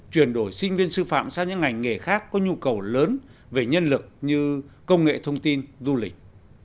chuyển đổi sinh viên sư phạm sang những ngành nghề khác có nhu cầu lớn về nhân lực như công nghệ thông tin du lịch